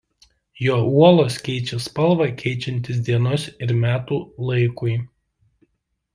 Jo uolos keičia spalvą keičiantis dienos ir metų laikui.